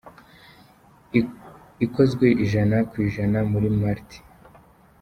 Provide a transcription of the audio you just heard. Ikozwe ijana ku ijana muri Malt.